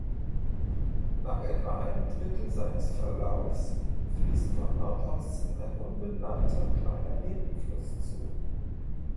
Nach etwa einem Drittel seines Verlaufs fließt von Nordosten ein unbenannter kleiner Nebenfluss zu.